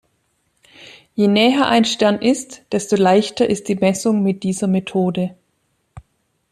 Je näher ein Stern ist, desto leichter ist die Messung mit dieser Methode.